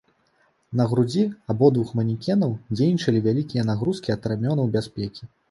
На грудзі абодвух манекенаў дзейнічалі вялікія нагрузкі ад рамянёў бяспекі.